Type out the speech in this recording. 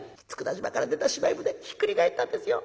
佃島から出たしまい舟ひっくり返ったんですよ。